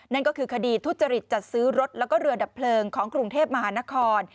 นั่นก็คือคดีทุจริตจัดซื้อรถแล้วก็เรือดับเพลิงของกรุงเทพมหานคร